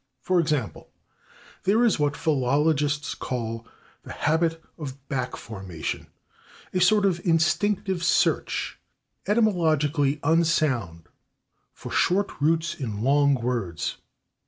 For example, there is what philologists call the habit of back formation a sort of instinctive search, etymologically unsound, for short roots in long words.